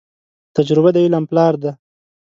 تجربه د علم پلار دي.